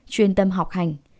chuyên tâm học hành